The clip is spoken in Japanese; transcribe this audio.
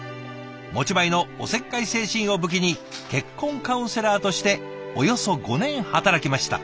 持ち前のおせっかい精神を武器に結婚カウンセラーとしておよそ５年働きました。